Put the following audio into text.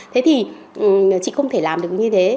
thế thì chị không thể làm được như thế